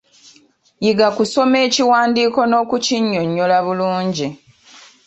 Yiga kusoma ekiwandiiko n'okinnyonnyola bulungi.